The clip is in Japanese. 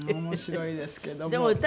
面白いですけども。